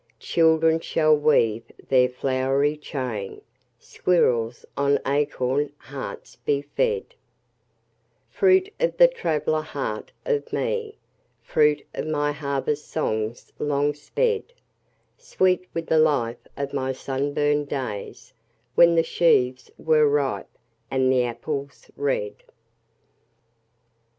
Children shall weave there a flowery chain, Squirrels on acorn hearts be fed:— Fruit of the traveller heart of me, Fruit of my harvest songs long sped: Sweet with the life of my sunburned days When the sheaves were ripe, and the apples red.